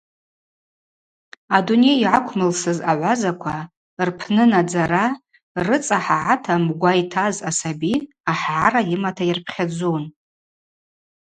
Адуней йгӏаквмылсыз агӏвазаква рпнынадзара рыцӏа хӏагӏата мгва йтаз асаби ахӏбара йымата йырпхьадзун.